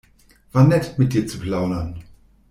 War nett, mit dir zu plaudern.